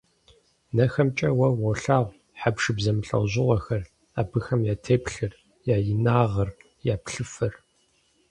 НэхэмкӀэ уэ уолъагъу хьэпшып зэмылӀэужьыгъуэхэр, абыхэм я теплъэр, я инагъыр, я плъыфэр.